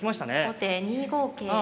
後手２五桂。